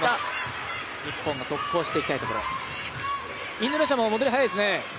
インドネシアも戻り、速いですね。